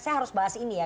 saya harus bahas ini ya